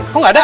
kok nggak ada